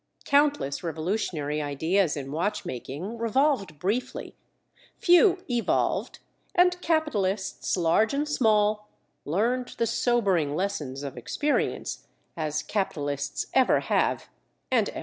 Countless revolutionary ideas in watch making revolved briefly—few evolved, and capitalists, large and small, learned the sobering lessons of experience, as capitalists ever have and ever will.